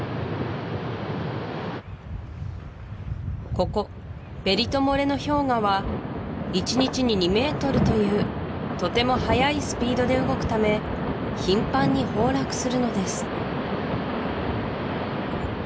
ここペリト・モレノ氷河は１日に２ｍというとても速いスピードで動くため頻繁に崩落するのです